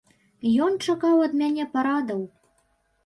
Ён чакаў ад мяне парадаў.